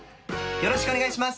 よろしくお願いします！